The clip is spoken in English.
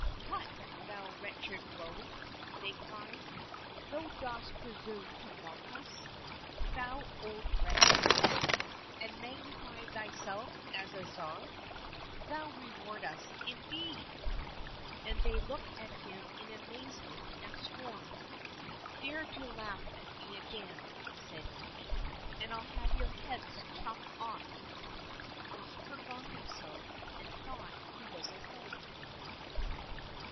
—'' What, thou wretched rogue !" they cried, " thou dost presume to mock us, thou old ragamuffin, and magnify thyself into a Tsar ! Thou reward us, indeed !" And they looked at him in amazement and scorn. —" Dare to laugh at me again," said he, *' and I'll have your heads chopped off !" For he forgot himself, and thought he was at home.